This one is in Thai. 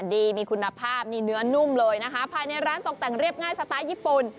ดีมีคุณภาพนี่เนื้อนุ่มเลยนะคะภายในร้านตกแต่งเรียบง่ายสไตล์ญี่ปุ่น